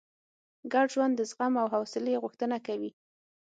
ګډ ژوند د زغم او حوصلې غوښتنه کوي.